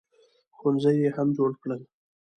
ښوونځي یې هم جوړ کړل.